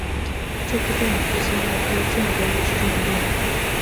这部电影是新加坡建国五十周年电影。